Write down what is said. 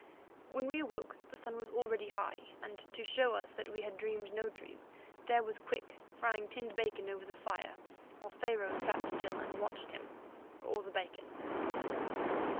When we awoke the sun was already high, and to show us that we had dreamed no dream, there was Quick frying tinned bacon over the fire, while Pharaoh sat still and watched him—or the bacon.